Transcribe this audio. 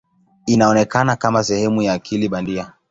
Inaonekana kama sehemu ya akili bandia.